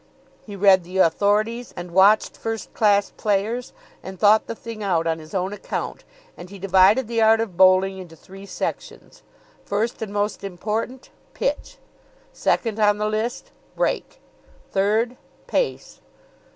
He read the authorities, and watched first class players, and thought the thing out on his own account, and he divided the art of bowling into three sections. First, and most important pitch. Second on the list break. Third pace.